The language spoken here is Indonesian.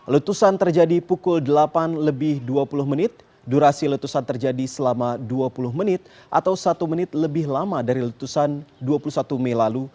letusan terjadi pukul delapan lebih dua puluh menit durasi letusan terjadi selama dua puluh menit atau satu menit lebih lama dari letusan dua puluh satu mei lalu